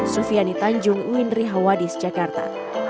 sufiani tanjung winri hawadis jakarta